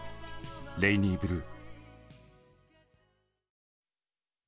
「レイニーブルー」。